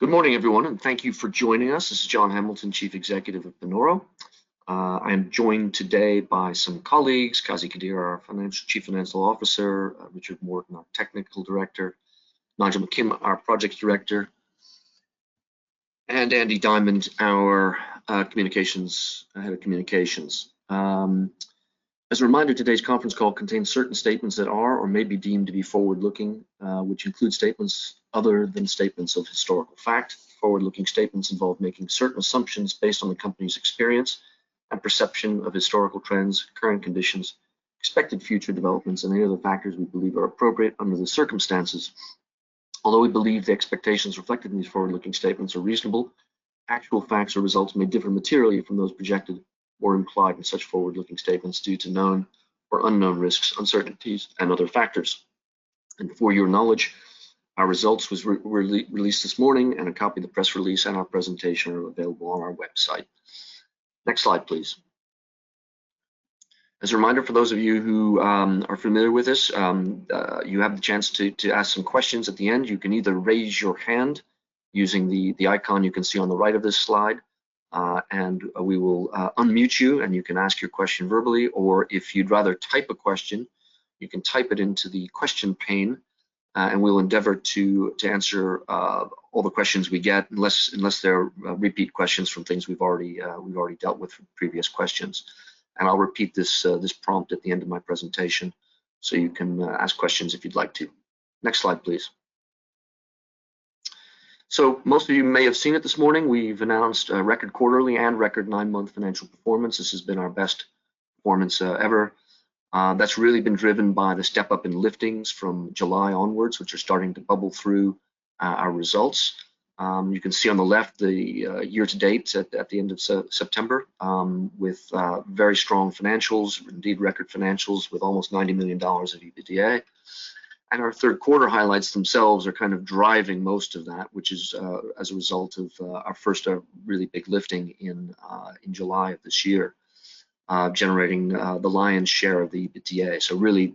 Good morning, everyone, and thank you for joining us. This is John Hamilton, Chief Executive of Panoro. I am joined today by some colleagues, Qazi Qadeer, our Chief Financial Officer, Richard Morton, our Technical Director, Nigel McKim, our Projects Director, and Andy Diamond, our Head of Communications. As a reminder, today's conference call contains certain statements that are or may be deemed to be forward-looking, which include statements other than statements of historical fact. Forward-looking statements involve making certain assumptions based on the company's experience and perception of historical trends, current conditions, expected future developments, and any other factors we believe are appropriate under the circumstances. Although we believe the expectations reflected in these forward-looking statements are reasonable, actual facts or results may differ materially from those projected or implied in such forward-looking statements due to known or unknown risks, uncertainties, and other factors. For your knowledge, our results was re-released this morning, and a copy of the press release and our presentation are available on our website. Next slide, please. As a reminder for those of you who are familiar with this, you have the chance to ask some questions at the end. You can either raise your hand using the icon you can see on the right of this slide, and we will unmute you, and you can ask your question verbally. If you'd rather type a question, you can type it into the question pane, and we'll endeavor to answer all the questions we get unless they're repeat questions from things we've already dealt with from previous questions. I'll repeat this prompt at the end of my presentation, so you can ask questions if you'd like to. Next slide, please. Most of you may have seen it this morning. We've announced a record quarterly and record nine-month financial performance. This has been our best performance ever. That's really been driven by the step-up in liftings from July onwards, which are starting to bubble through our results. You can see on the left the year-to-date at the end of September, with very strong financials, indeed record financials, with almost $90 million of EBITDA. Our third quarter highlights themselves are kind of driving most of that, which is as a result of our first really big lifting in July of this year, generating the lion's share of the EBITDA. Really,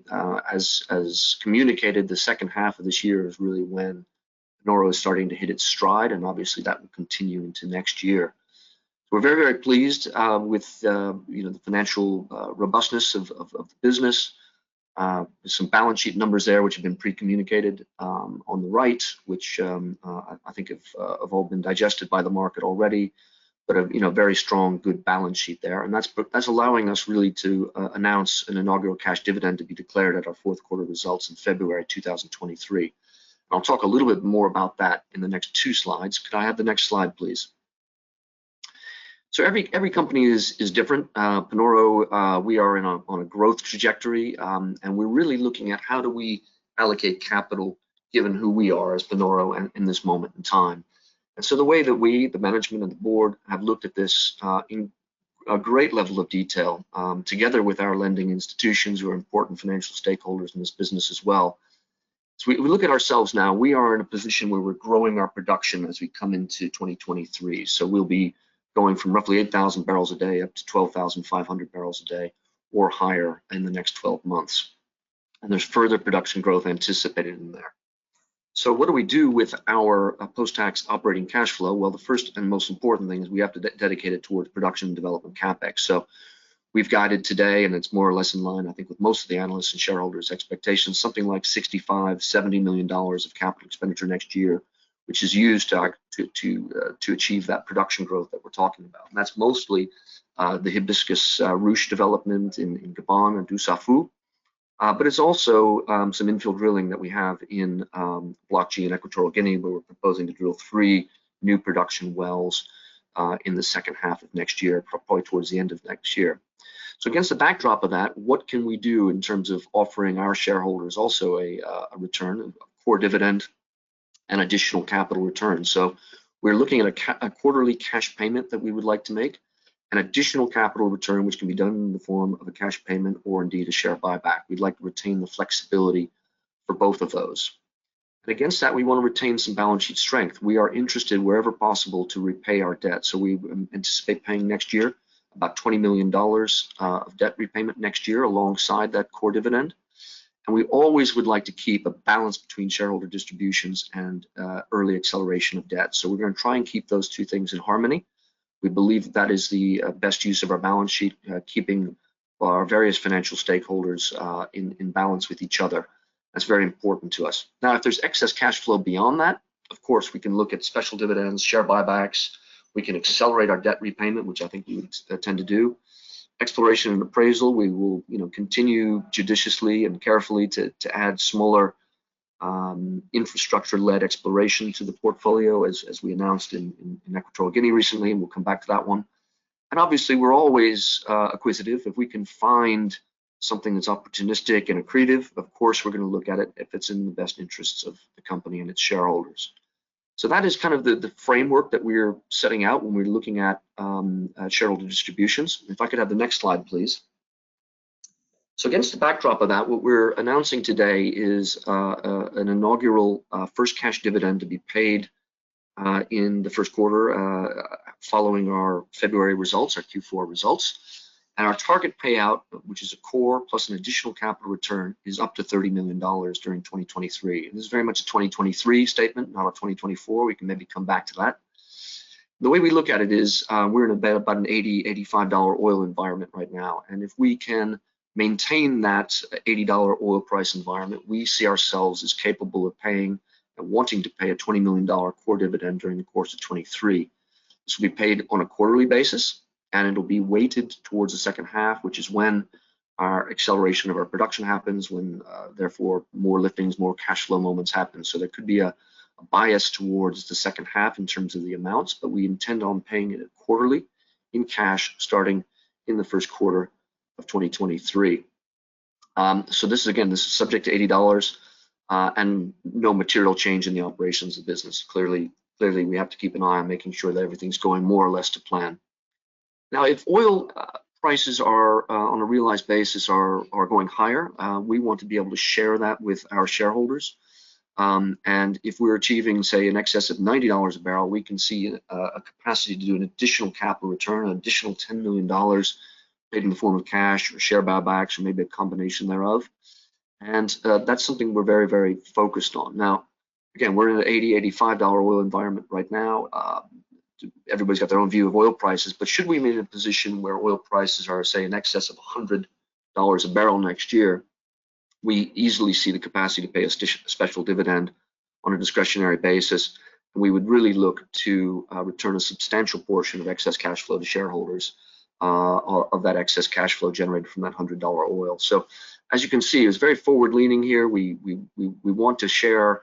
as communicated, the second half of this year is really when Panoro is starting to hit its stride, and obviously that will continue into next year. We're very, very pleased with, you know, the financial robustness of the business. There's some balance sheet numbers there which have been pre-communicated on the right, which I think have all been digested by the market already, but you know, very strong, good balance sheet there. That's allowing us really to announce an inaugural cash dividend to be declared at our fourth quarter results in February 2023. I'll talk a little bit more about that in the next two slides. Could I have the next slide, please? Every company is different. Panoro, we are on a growth trajectory, and we're really looking at how do we allocate capital given who we are as Panoro in this moment in time. The way that we, the management and the board, have looked at this in a great level of detail, together with our lending institutions who are important financial stakeholders in this business as well, we look at ourselves now, we are in a position where we're growing our production as we come into 2023. We'll be going from roughly 8,000 barrels a day up to 12,500 barrels a day or higher in the next 12 months. There's further production growth anticipated in there. What do we do with our post-tax operating cash flow? Well, the first and most important thing is we have to de-dedicate it towards production and development CapEx. We've guided today, and it's more or less in line, I think, with most of the analysts' and shareholders' expectations, something like $65 million-$70 million of CapEx next year, which is used to achieve that production growth that we're talking about. That's mostly the Hibiscus Ruche development in Gabon and Dussafu, but it's also some infill drilling that we have in Block G in Equatorial Guinea, where we're proposing to drill three new production wells in the second half of next year, probably towards the end of next year. Against the backdrop of that, what can we do in terms of offering our shareholders also a return, a core dividend and additional capital return? So we're looking at a quarterly cash payment that we would like to make, an additional capital return which can be done in the form of a cash payment or indeed a share buyback. We'd like to retain the flexibility for both of those. Against that, we want to retain some balance sheet strength. We are interested wherever possible to repay our debt, so we anticipate paying next year about $20 million of debt repayment next year alongside that core dividend. We always would like to keep a balance between shareholder distributions and, early acceleration of debt. We're going to try and keep those two things in harmony. We believe that is the best use of our balance sheet, keeping our various financial stakeholders, in balance with each other. That's very important to us. If there's excess cash flow beyond that, of course, we can look at special dividends, share buybacks. We can accelerate our debt repayment, which I think we'd tend to do. Exploration and appraisal, we will, you know, continue judiciously and carefully to add smaller, infrastructure-led exploration to the portfolio as we announced in Equatorial Guinea recently, and we'll come back to that one. Obviously, we're always acquisitive. If we can find something that's opportunistic and accretive, of course, we're going to look at it if it's in the best interests of the company and its shareholders. That is kind of the framework that we're setting out when we're looking at shareholder distributions. If I could have the next slide, please. Against the backdrop of that, what we're announcing today is an inaugural first cash dividend to be paid in the first quarter, following our February results, our Q4 results, and our target payout, which is a core plus an additional capital return, is up to $30 million during 2023. This is very much a 2023 statement, not a 2024. We can maybe come back to that. The way we look at it is, we're in about an $80-$85 oil environment right now, and if we can maintain that $80 oil price environment, we see ourselves as capable of paying and wanting to pay a $20 million core dividend during the course of 2023. This will be paid on a quarterly basis, and it'll be weighted towards the second half, which is when our acceleration of our production happens, when, therefore more liftings, more cash flow moments happen. There could be a bias towards the second half in terms of the amounts. We intend on paying it quarterly in cash starting in the first quarter of 2023. This is, again, this is subject to $80, and no material change in the operations of the business. Clearly, we have to keep an eye on making sure that everything's going more or less to plan. Now, if oil prices are on a realized basis, are going higher, we want to be able to share that with our shareholders, and if we're achieving, say, in excess of $90 a barrel, we can see a capacity to do an additional capital return, an additional $10 million paid in the form of cash or share buybacks or maybe a combination thereof. That's something we're very, very focused on. Now, again, we're in an $80-$85 oil environment right now. Everybody's got their own view of oil prices, should we be in a position where oil prices are, say, in excess of $100 a barrel next year, we easily see the capacity to pay a special dividend on a discretionary basis. We would really look to return a substantial portion of excess cash flow to shareholders, or of that excess cash flow generated from that $100 oil. As you can see, it's very forward-leaning here. We want to share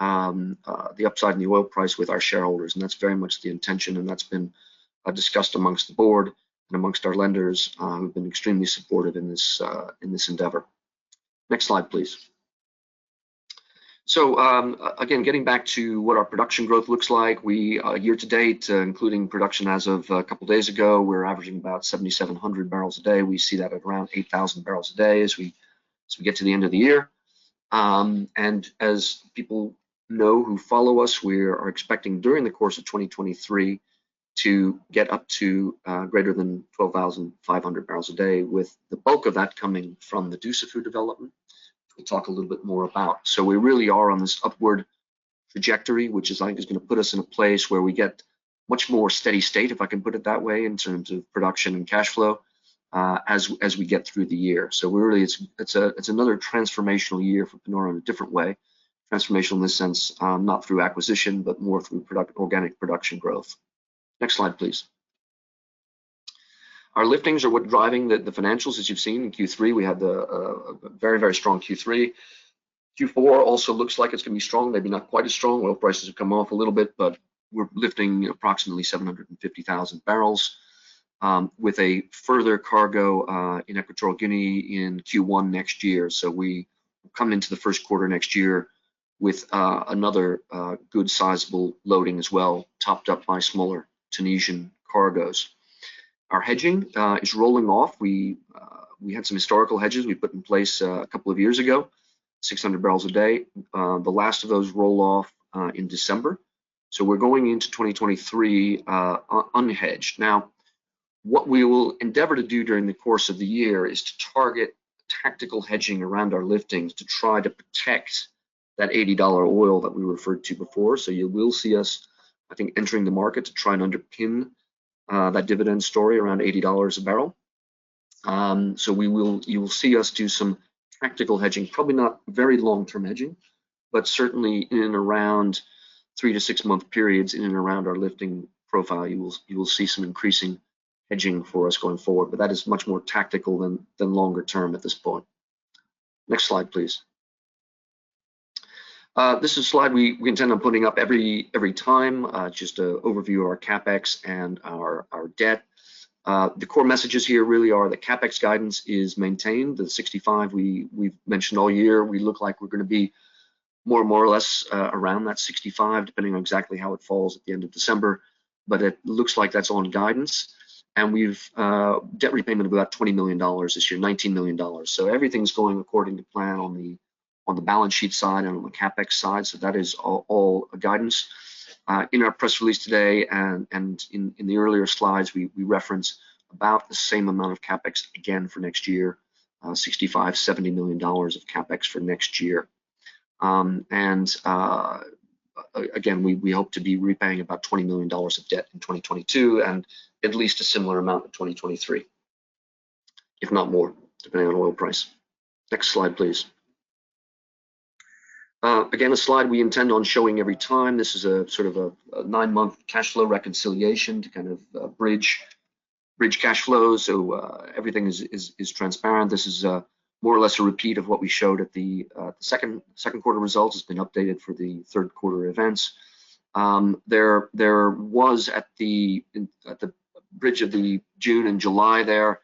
the upside in the oil price with our shareholders, and that's very much the intention, and that's been discussed amongst the board and amongst our lenders, who've been extremely supportive in this endeavor. Next slide, please. Again, getting back to what our production growth looks like, we year to date, including production as of a couple days ago, we're averaging about 7,700 barrels a day. We see that at around 8,000 barrels a day as we get to the end of the year. As people know who follow us, we are expecting during the course of 2023 to get up to greater than 12,500 barrels a day, with the bulk of that coming from the Dussafu development, which we'll talk a little bit more about. We really are on this upward trajectory, which is, I think, is going to put us in a place where we get much more steady-state, if I can put it that way, in terms of production and cash flow, as we get through the year. We're really. It's another transformational year for Panoro in a different way, transformational in the sense, not through acquisition, but more through product, organic production growth. Next slide, please. Our liftings are what driving the financials, as you've seen. In Q3, we had a very strong Q3. Q4 also looks like it's going to be strong, maybe not quite as strong. Oil prices have come off a little bit, but we're lifting approximately 750,000 barrels with a further cargo in Equatorial Guinea in Q1 next year. We come into the first quarter next year with another good sizable loading as well, topped up by smaller Tunisian cargoes. Our hedging is rolling off. We had some historical hedges we put in place a couple of years ago, 600 barrels a day. The last of those roll off in December. We're going into 2023 unhedged. What we will endeavor to do during the course of the year is to target tactical hedging around our liftings to try to protect that $80 oil that we referred to before. You will see us, I think, entering the market to try and underpin that dividend story around $80 a barrel. You will see us do some tactical hedging, probably not very long-term hedging, but certainly in and around three- to six-month periods in and around our lifting profile, you will see some increasing hedging for us going forward. That is much more tactical than longer term at this point. Next slide, please. This is a slide we intend on putting up every time, just an overview of our CapEx and our debt. The core messages here really are the CapEx guidance is maintained. The 65 we've mentioned all year, we look like we're gonna be more or less around that 65, depending on exactly how it falls at the end of December. It looks like that's on guidance. We've debt repayment of about $20 million this year, $19 million. Everything's going according to plan on the balance sheet side and on the CapEx side. That is all guidance. In our press release today and in the earlier slides, we referenced about the same amount of CapEx again for next year, $65 million-$70 million of CapEx for next year. Again, we hope to be repaying about $20 million of debt in 2022 and at least a similar amount in 2023, if not more, depending on oil price. Next slide, please. Again, a slide we intend on showing every time. This is a sort of a nine-month cash flow reconciliation to kind of bridge cash flow. Everything is transparent. This is more or less a repeat of what we showed at the second quarter results. It's been updated for the third quarter events. There was at the, at the bridge of the June and July there,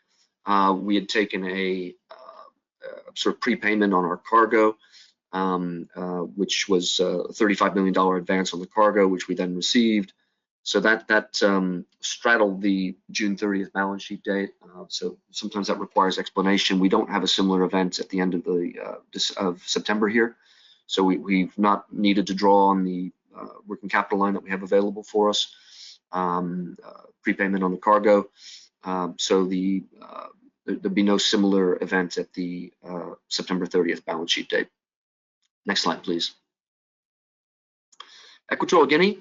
we had taken a sort of prepayment on our cargo, which was a $35 million advance on the cargo, which we then received. That, that, straddled the June 30th balance sheet date. Sometimes that requires explanation. We don't have a similar event at the end of the of September here. We, we've not needed to draw on the working capital line that we have available for us, prepayment on the cargo. The, there'd be no similar event at the September 30th balance sheet date. Next slide, please. Equatorial Guinea,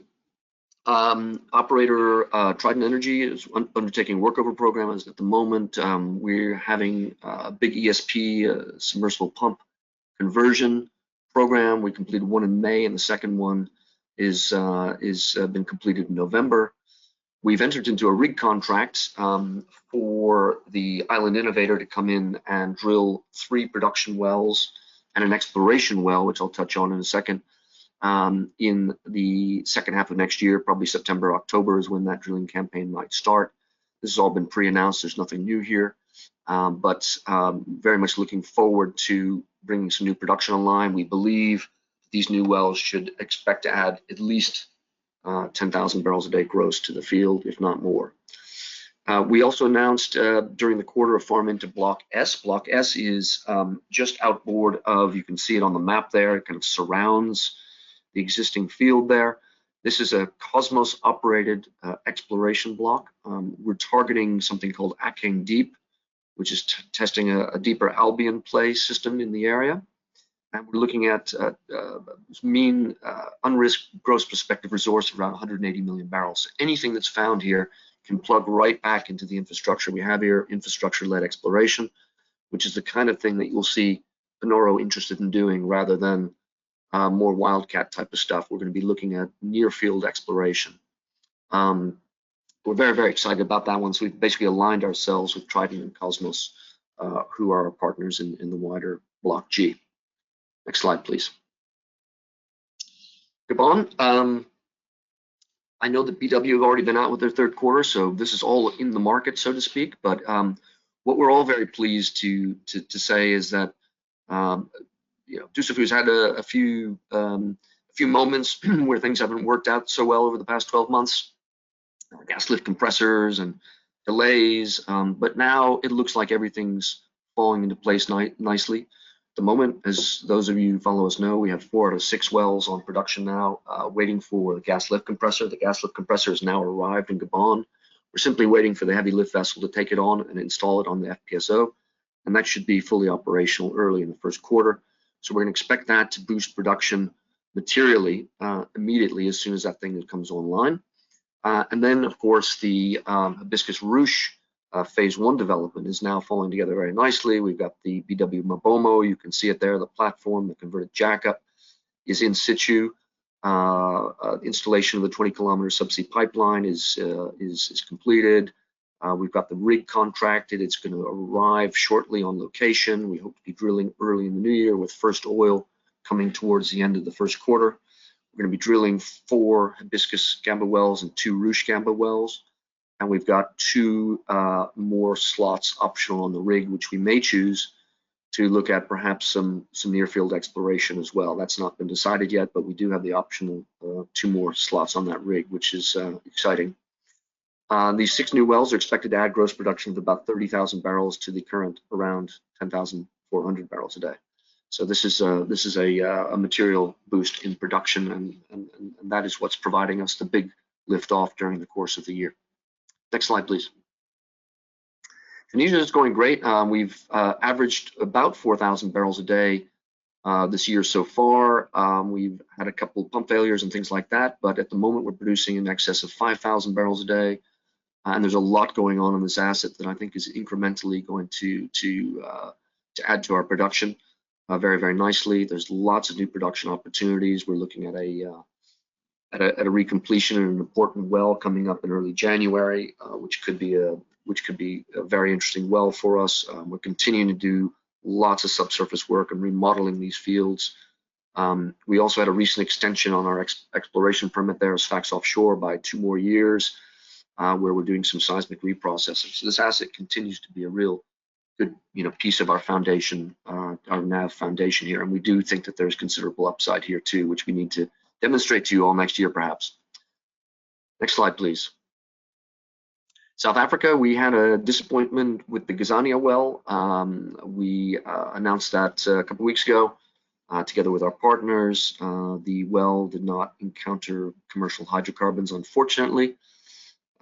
operator, Trident Energy is undertaking workover programs at the moment. We're having a big ESP, submersible pump conversion program. We completed one in May. The second one is been completed in November. We've entered into a rig contract for the Island Innovator to come in and drill three production wells and an exploration well, which I'll touch on in a second, in the second half of next year, probably September, October, is when that drilling campaign might start. This has all been pre-announced. There's nothing new here. Very much looking forward to bringing some new production online. We believe these new wells should expect to add at least 10,000 barrels a day gross to the field, if not more. We also announced during the quarter a farm into Block S. Block S is just outboard of... You can see it on the map there. It kind of surrounds the existing field there. This is a Kosmos-operated exploration block. We're targeting something called Akeng Deep, which is testing a deeper Albian play system in the area. We're looking at mean unrisked gross prospective resource of around 180 million barrels. Anything that's found here can plug right back into the infrastructure we have here, infrastructure-led exploration, which is the kind of thing that you'll see Panoro interested in doing rather than more wildcat type of stuff. We're gonna be looking at near-field exploration. We're very excited about that one, so we've basically aligned ourselves with Trident and Kosmos, who are our partners in the wider Block G. Next slide, please. Gabon, I know that BW have already been out with their third quarter, so this is all in the market, so to speak. What we're all very pleased to say is that, you know, Dussafu's had a few moments where things haven't worked out so well over the past 12 months. Gas lift compressors and delays. Now it looks like everything's falling into place nicely. At the moment, as those of you who follow us know, we have four out of six wells on production now, waiting for the gas lift compressor. The gas lift compressor has now arrived in Gabon. We're simply waiting for the heavy lift vessel to take it on and install it on the FPSO, and that should be fully operational early in the first quarter. We're gonna expect that to boost production materially, immediately as soon as that thing comes online. Of course, the Hibiscus Ruche phase one development is now falling together very nicely. We've got the BW MaBoMo. You can see it there, the platform, the converted jackup is in situ. Installation of the 20 km subsea pipeline is completed. We've got the rig contracted. It's gonna arrive shortly on location. We hope to be drilling early in the new year with first oil coming towards the end of the first quarter. We're gonna be drilling four Hibiscus Gamba wells and two Ruche Gamba wells. We've got two more slots optional on the rig, which we may choose to look at perhaps some near-field exploration as well. That's not been decided yet, but we do have the option of two more slots on that rig, which is exciting. "Uh, these six new wells are expected to add gross production of about thirty thousand barrels to the current around ten thousand four hundred barrels a day. So this is, uh, this is a, uh, a material boost in production, and, and that is what's providing us the big lift off during the course of the year. Next slide, please. Tunisia is going great. Um, we've, uh, averaged about four thousand barrels a day, uh, this year so far. Um, we've had a couple pump failures and things like that. But at the moment, we're producing in excess of five thousand barrels a day. Uh, and there's a lot going on in this asset that I think is incrementally going to, uh, to add to our production, uh, very, very nicely. There's lots of new production opportunities. We're looking at a recompletion in an important well coming up in early January, which could be a very interesting well for us. We're continuing to do lots of subsurface work and remodeling these fields. We also had a recent extension on our exploration permit there Sfax Offshore by two more years, where we're doing some seismic reprocesses. This asset continues to be a real good, you know, piece of our foundation, our nav foundation here. We do think that there's considerable upside here too, which we need to demonstrate to you all next year, perhaps. Next slide, please. South Africa, we had a disappointment with the Gazania well. We announced that a couple weeks ago, together with our partners. The well did not encounter commercial hydrocarbons, unfortunately.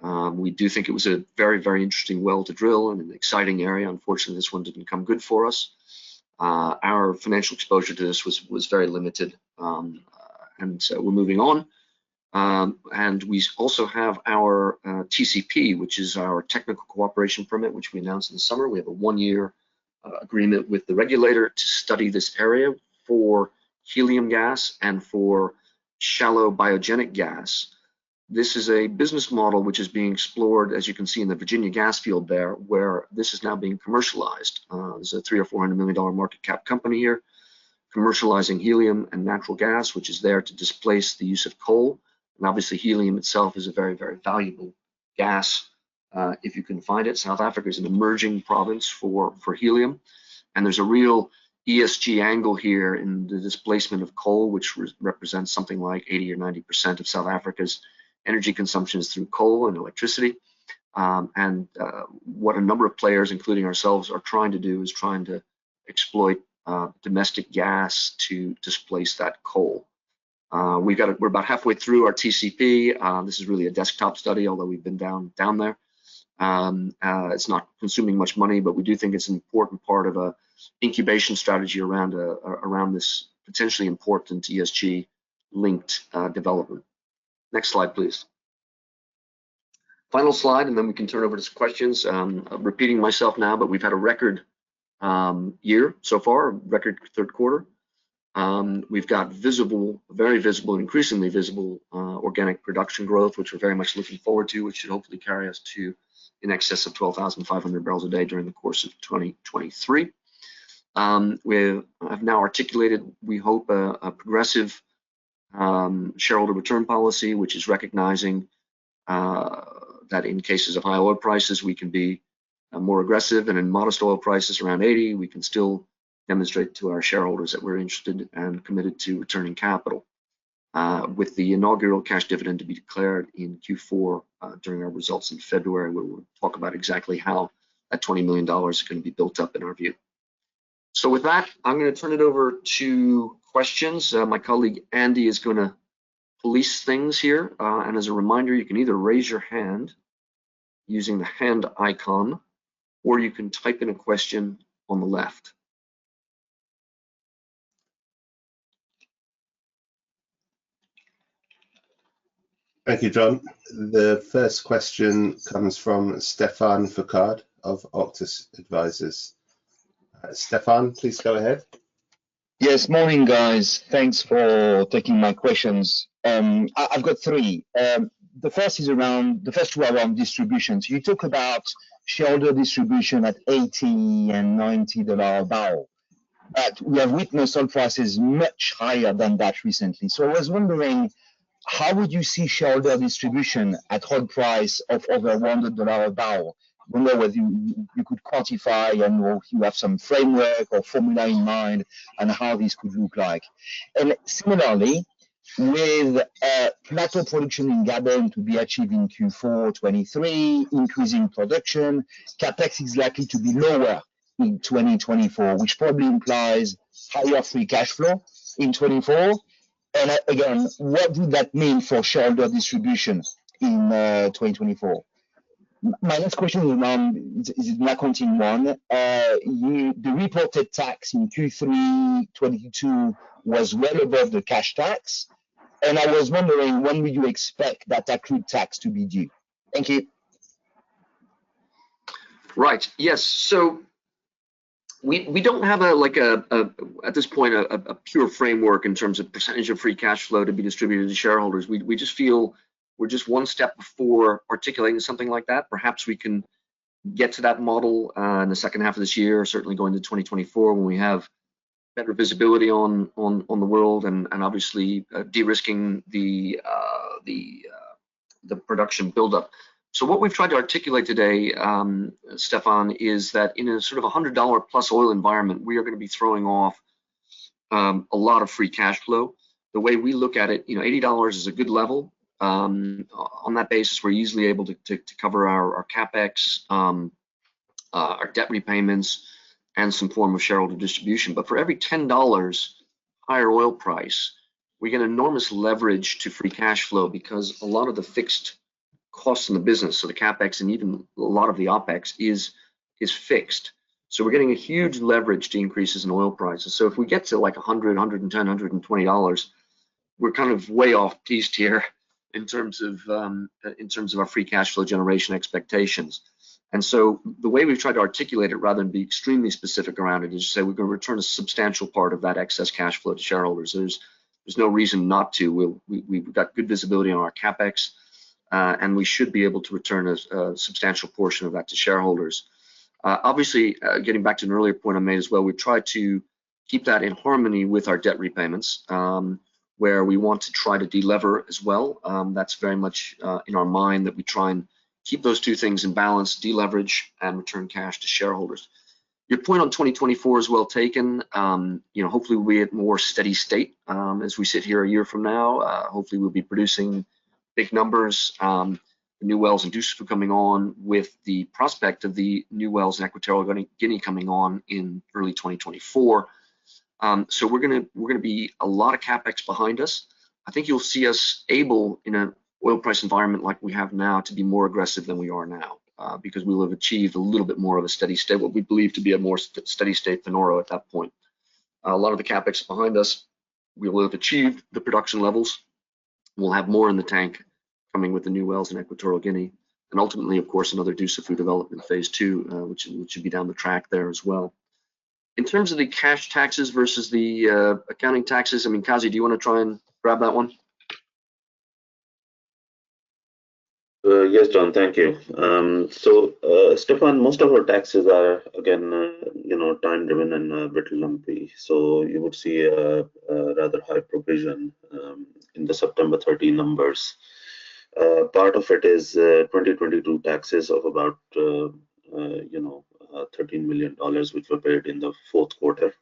We do think it was a very, very interesting well to drill and an exciting area. Unfortunately, this one didn't come good for us. Our financial exposure to this was very limited. So we're moving on. We also have our TCP, which is our technical cooperation permit, which we announced in the summer. We have a one-year agreement with the regulator to study this area for helium gas and for shallow biogenic gas. This is a business model which is being explored, as you can see in the Virginia gas field there, where this is now being commercialized. This is a $300 million-$400 million market cap company here commercializing helium and natural gas, which is there to displace the use of coal. Obviously, helium itself is a very, very valuable gas. If you can find it, South Africa is an emerging province for helium. There's a real ESG angle here in the displacement of coal, which represents something like 80% or 90% of South Africa's energy consumption is through coal and electricity. What a number of players, including ourselves, are trying to do is trying to exploit domestic gas to displace that coal. We're about halfway through our TCP. This is really a desktop study, although we've been down there. It's not consuming much money, but we do think it's an important part of an incubation strategy around this potentially important ESG-linked development. Next slide, please. Final slide, then we can turn over to some questions. Repeating myself now, we've had a record year so far, a record third quarter. We've got visible, very visible, increasingly visible organic production growth, which we're very much looking forward to, which should hopefully carry us to in excess of 12,500 barrels a day during the course of 2023. We have now articulated, we hope, a progressive shareholder return policy, which is recognizing that in cases of high oil prices, we can be more aggressive. In modest oil prices around 80, we can still demonstrate to our shareholders that we're interested and committed to returning capital. With the inaugural cash dividend to be declared in Q4, during our results in February, where we'll talk about exactly how that $20 million is going to be built up in our view. With that, I'm gonna turn it over to questions. My colleague, Andy, is gonna police things here. As a reminder, you can either raise your hand using the hand icon, or you can type in a question on the left. Thank you, John. The first question comes from Stephane Foucaud of Auctus Advisors. Stephane, please go ahead. Yes, morning, guys. Thanks for taking my questions. I've got three. The first is around... The first two are around distributions. You talk about shareholder distribution at $80 and $90 a barrel, but we have witnessed oil prices much higher than that recently. I was wondering, how would you see shareholder distribution at oil price of over $100 a barrel? I wonder whether you could quantify and/or if you have some framework or formula in mind on how this could look like? Similarly, with plateau production in Gabon to be achieved in Q4 2023, increasing production, CapEx is likely to be lower in 2024, which probably implies higher free cash flow in 2024. Again, what would that mean for shareholder distribution in 2024? My next question is around... Is an accounting one. The reported tax in Q3 2022 was well above the cash tax. I was wondering, when would you expect that accrued tax to be due? Thank you. Right. Yes. We don't have a, like, at this point, a pure framework in terms of percent of free cash flow to be distributed to shareholders. We just feel we're just one step before articulating something like that. Perhaps we can get to that model in the second half of this year, certainly going to 2024 when we have better visibility on the world and obviously de-risking the production buildup. What we've tried to articulate today, Stephane, is that in a sort of a $100-plus oil environment, we are gonna be throwing off a lot of free cash flow. The way we look at it, you know, $80 is a good level. On that basis, we're easily able to cover our CapEx, our debt repayments, and some form of shareholder distribution. For every $10 higher oil price, we get enormous leverage to free cash flow because a lot of the fixed costs in the business, so the CapEx and even a lot of the OpEx, is fixed. We're getting a huge leverage to increases in oil prices. If we get to like $100, $110, $120, we're kind of way off piste here in terms of, in terms of our free cash flow generation expectations. The way we've tried to articulate it rather than be extremely specific around it is to say we're gonna return a substantial part of that excess cash flow to shareholders. There's no reason not to. We've got good visibility on our CapEx, and we should be able to return a substantial portion of that to shareholders. Obviously, getting back to an earlier point I made as well, we try to keep that in harmony with our debt repayments, where we want to try to de-lever as well. That's very much in our mind that we try and keep those two things in balance, de-leverage and return cash to shareholders. Your point on 2024 is well taken. You know, hopefully we're at more steady state, as we sit here a year from now. Hopefully we'll be producing big numbers. New wells in Dussafu from coming on with the prospect of the new wells in Equatorial Guinea coming on in early 2024. We're gonna be a lot of CapEx behind us. I think you'll see us able in an oil price environment like we have now to be more aggressive than we are now, because we will have achieved a little bit more of a steady state, what we believe to be a more steady state than Panoro at that point. A lot of the CapEx behind us, we will have achieved the production levels. We'll have more in the tank coming with the new wells in Equatorial Guinea, and ultimately, of course, another Dussafu development phase two, which should be down the track there as well. In terms of the cash taxes versus the accounting taxes, I mean, Qazi, do you wanna try and grab that one? Yes, John. Thank you. Stephane, most of our taxes are again, you know, time driven and a bit lumpy. You would see a rather high provision in the September 13 numbers. Part of it is 2022 taxes of about, you know, $13 million which were paid in the fourth quarter.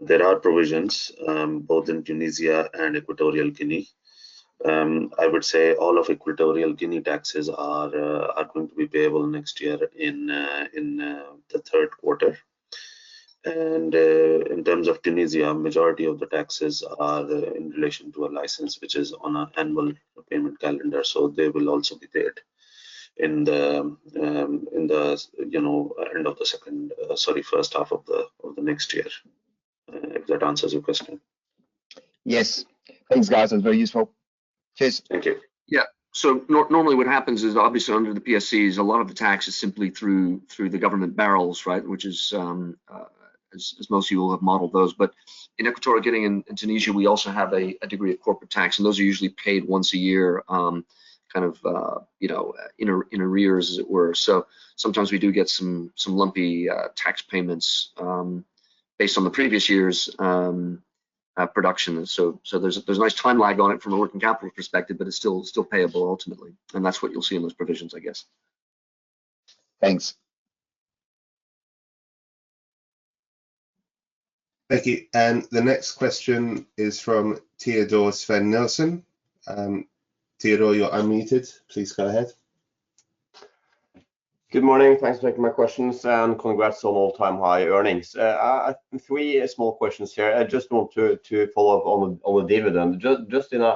There are provisions both in Tunisia and Equatorial Guinea. I would say all of Equatorial Guinea taxes are going to be payable next year in the third quarter. In terms of Tunisia, majority of the taxes are in relation to a license which is on a annual payment calendar. They will also be paid in the first half of the next year. If that answers your question. Yes. Thanks, guys. That's very useful. Cheers. Thank you. Normally what happens is, obviously under the PSC is a lot of the tax is simply through the government barrels, right? Which is as most of you will have modeled those. In Equatorial Guinea and Tunisia, we also have a degree of corporate tax, and those are usually paid once a year, kind of, you know, in arrears, as it were. Sometimes we do get some lumpy tax payments based on the previous year's production. There's a nice time lag on it from a working capital perspective, but it's still payable ultimately. And that's what you'll see in those provisions, I guess. Thanks. Thank you. The next question is from Teodor Sveen-Nilsen. Teodor, you're unmuted. Please go ahead. Good morning. Thanks for taking my questions. Congrats on all-time high earnings. Three small questions here. I just want to follow up on the dividend. Just in a,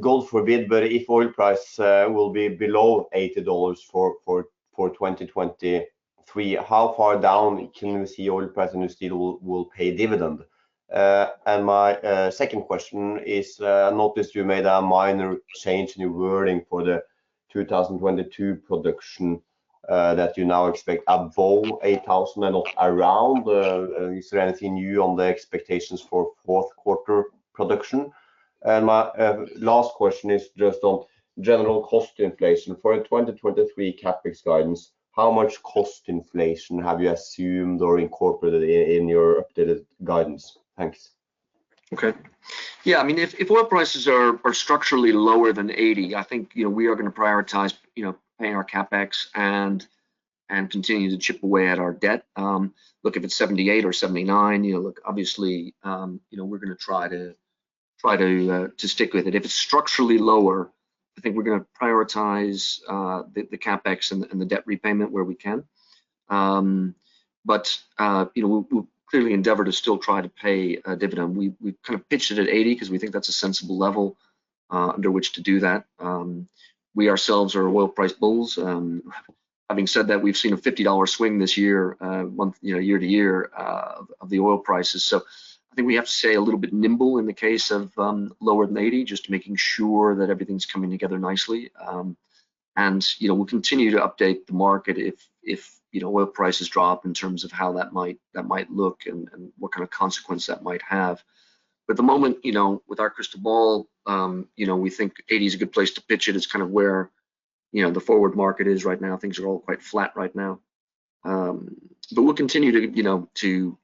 God forbid, but if oil price will be below $80 for 2023, how far down can we see oil price and you still will pay dividend? My second question is, I noticed you made a minor change in the wording for the 2022 production, that you now expect above 8,000 and not around. Is there anything new on the expectations for fourth quarter production? My last question is just on general cost inflation. For the 2023 CapEx guidance, how much cost inflation have you assumed or incorporated in your updated guidance? Thanks. Okay. Yeah, I mean, if oil prices are structurally lower than 80, I think, you know, we are gonna prioritize, you know, paying our CapEx and continue to chip away at our debt. Look, if it's 78 or 79, you know, look, obviously, you know, we're gonna try to stick with it. If it's structurally lower, I think we're gonna prioritize the CapEx and the debt repayment where we can. You know, we'll clearly endeavor to still try to pay a dividend. We kind of pitched it at 80 'cause we think that's a sensible level under which to do that. We ourselves are oil price bulls. Having said that, we've seen a $50 swing this year, month, you know, year to year, of the oil prices. I think we have to stay a little bit nimble in the case of lower than 80, just making sure that everything's coming together nicely. You know, we'll continue to update the market if, you know, oil prices drop in terms of how that might, that might look and what kind of consequence that might have. At the moment, you know, with our crystal ball, you know, we think 80 is a good place to pitch it. It's kind of where, you know, the forward market is right now. Things are all quite flat right now. We'll continue to, you know, to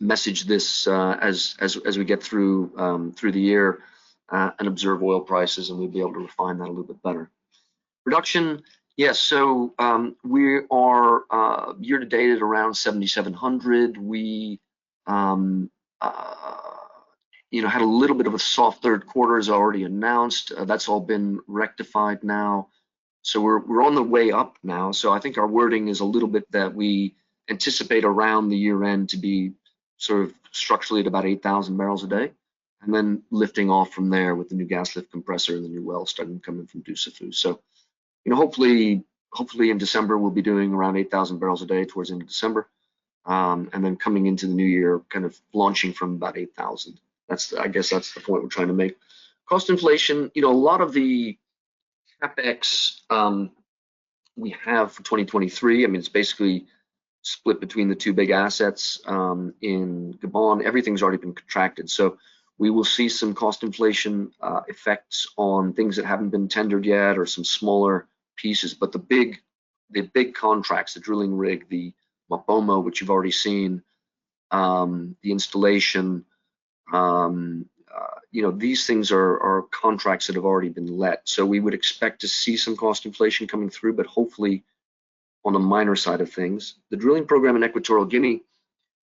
message this, as, as we get through the year, and observe oil prices, and we'll be able to refine that a little bit better. Production. Yes. We are year to date at around 7,700. We, you know, had a little bit of a soft third quarter, as already announced. That's all been rectified now. We're on the way up now. I think our wording is a little bit that we anticipate around the year-end to be sort of structurally at about 8,000 barrels a day, and then lifting off from there with the new gas lift compressor and the new well starting to come in from Dussafu. You know, hopefully in December, we'll be doing around 8,000 barrels a day towards the end of December. Coming into the new year, kind of launching from about 8,000. I guess that's the point we're trying to make. Cost inflation. You know, a lot of the CapEx we have for 2023, I mean, it's basically split between the two big assets in Gabon. Everything's already been contracted. We will see some cost inflation effects on things that haven't been tendered yet or some smaller pieces. The big contracts, the drilling rig, the MaBoMo, which you've already seen, the installation, you know, these things are contracts that have already been let. We would expect to see some cost inflation coming through, but hopefully on a minor side of things. The drilling program in Equatorial Guinea,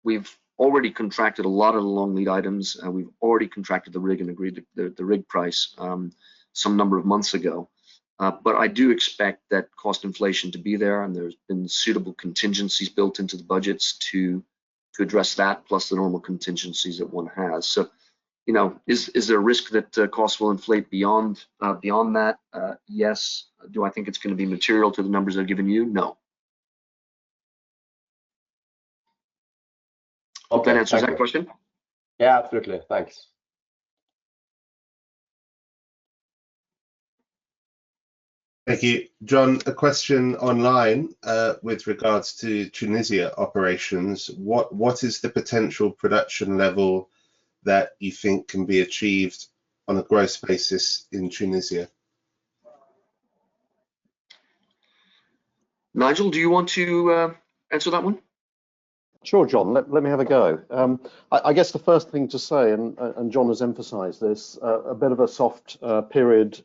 we've already contracted a lot of the long-lead items, and we've already contracted the rig and agreed the rig price some number of months ago. I do expect that cost inflation to be there, and there's been suitable contingencies built into the budgets to address that, plus the normal contingencies that one has. You know, is there a risk that costs will inflate beyond that? Yes. Do I think it's gonna be material to the numbers I've given you? No. Okay. Does that answer your question? Yeah, absolutely. Thanks. Thank you. John, a question online, with regards to Tunisia operations. What is the potential production level that you think can be achieved on a gross basis in Tunisia? Nigel, do you want to answer that one? Sure, John. Let me have a go. I guess the first thing to say, and John has emphasized this, a bit of a soft period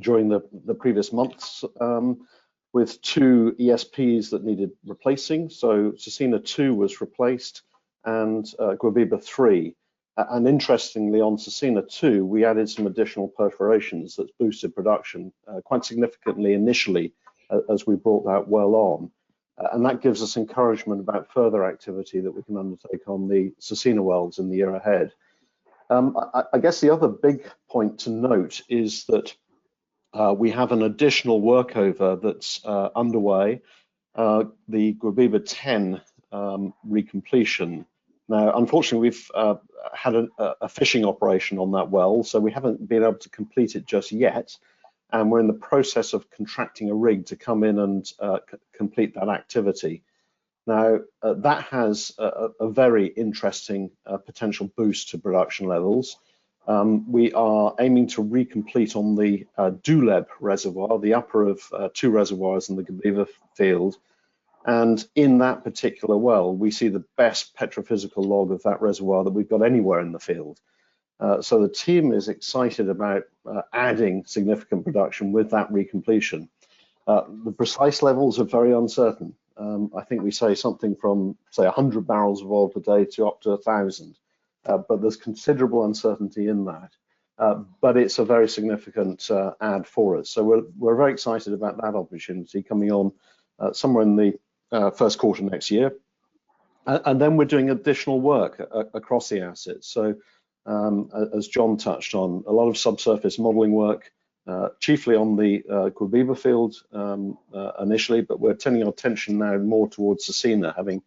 during the previous months with two ESPs that needed replacing. Cercina-2 was replaced and Guebiba-3. Interestingly, on Cercina-2 we added some additional perforations that's boosted production quite significantly initially as we brought that well on. That gives us encouragement about further activity that we can undertake on the Cercina wells in the year ahead. I guess the other big point to note is that we have an additional workover that's underway, the Guebiba-10 recompletion. Unfortunately we've had a fishing operation on that well, so we haven't been able to complete it just yet, and we're in the process of contracting a rig to come in and complete that activity. That has a very interesting potential boost to production levels. We are aiming to recomplete on the Duleb Reservoir, the upper of two reservoirs in the Guebiba field. In that particular well, we see the best petrophysical log of that reservoir that we've got anywhere in the field. The team is excited about adding significant production with that recompletion. The precise levels are very uncertain. I think we say something from, say, 100 barrels of oil per day to up to 1,000. There's considerable uncertainty in that. But it's a very significant add for us. We're very excited about that opportunity coming on somewhere in the first quarter next year. And then we're doing additional work across the asset. As John touched on, a lot of subsurface modeling work, chiefly on the Guebiba field, initially, but we're turning our attention now more towards Cercina, having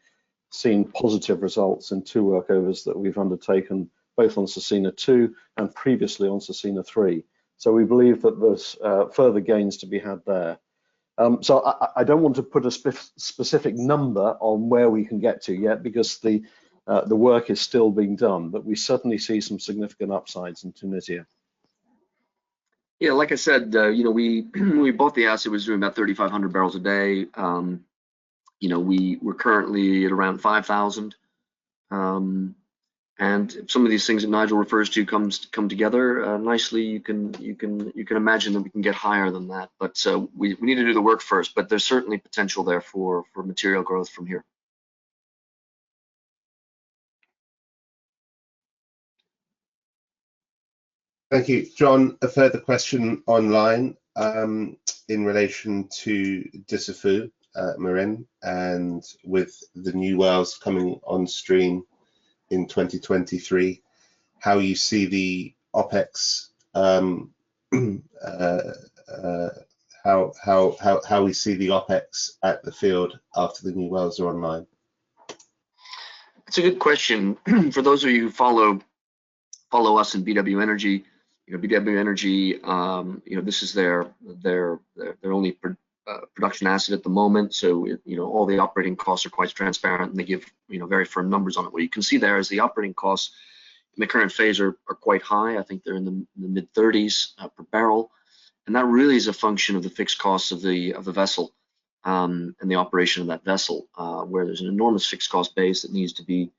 seen positive results in two workovers that we've undertaken both on Cercina-2 and previously on Cercina-3. We believe that there's further gains to be had there. I don't want to put a specific number on where we can get to yet because the work is still being done, but we certainly see some significant upsides in Tunisia. Yeah. Like I said, you know, we bought the asset, it was doing about 3,500 barrels a day. You know, we're currently at around 5,000. If some of these things that Nigel refers to come together nicely, you can imagine that we can get higher than that. We need to do the work first, but there's certainly potential there for material growth from here. Thank you. John, a further question online, in relation to Dussafu Marin. With the new wells coming on stream in 2023, how you see the OpEx, how we see the OpEx at the field after the new wells are online? It's a good question. For those of you who follow us and BW Energy, you know, BW Energy, this is their only production asset at the moment, so you know, all the operating costs are quite transparent and they give, you know, very firm numbers on it. What you can see there is the operating costs in the current phase are quite high. I think they're in the mid-$30s per barrel, and that really is a function of the fixed costs of the vessel and the operation of that vessel, where there's an enormous fixed cost base that needs to be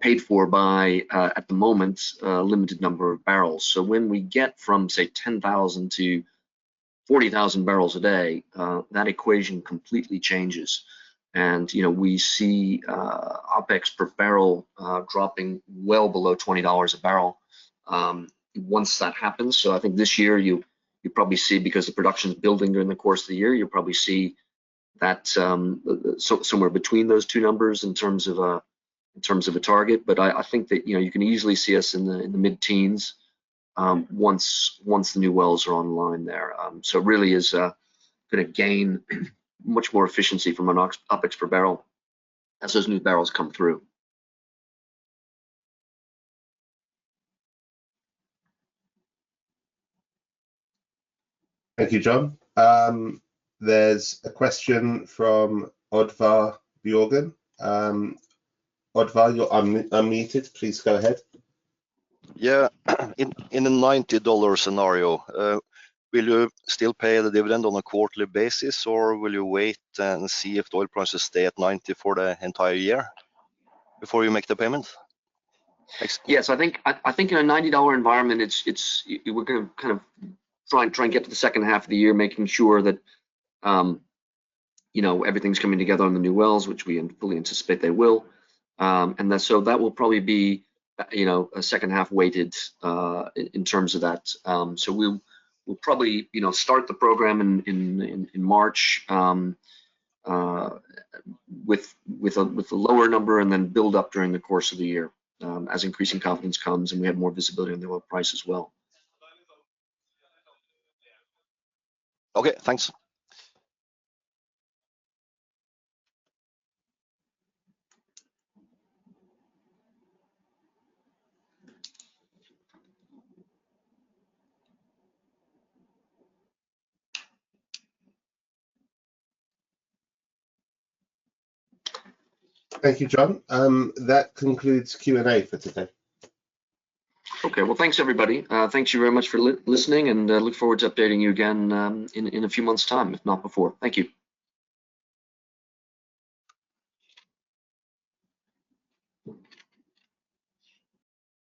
paid for by at the moment, a limited number of barrels. When we get from, say, 10,000-40,000 barrels a day, that equation completely changes and, you know, we see OpEx per barrel dropping well below $20 a barrel once that happens. I think this year you probably see, because the production's building during the course of the year, you'll probably see that somewhere between those two numbers in terms of a, in terms of a target. I think that, you know, you can easily see us in the, in the mid-teens once the new wells are online there. It really is gonna gain much more efficiency from an OpEx per barrel as those new barrels come through. Thank you, John. There's a question from Oddvar Bjørgan. Odvar, you're unmuted. Please go ahead. Yeah. In a $90 scenario, will you still pay the dividend on a quarterly basis, or will you wait and see if the oil prices stay at 90 for the entire year before you make the payment? Thanks. Yes. I think in a $90 environment, it's. We're gonna kind of try and get to the second half of the year making sure that, you know, everything's coming together on the new wells, which we fully anticipate they will. That will probably be, you know, a second half weighted in terms of that. We'll probably, you know, start the program in March with a lower number and then build up during the course of the year as increasing confidence comes and we have more visibility on the oil price as well. Okay, thanks. Thank you, John. That concludes Q&A for today. Okay. Well, thanks everybody. Thank you very much for listening. Look forward to updating you again in a few months' time, if not before. Thank you.